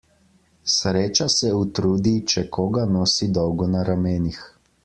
Sreča se utrudi, če koga nosi dolgo na ramenih.